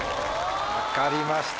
分かりました。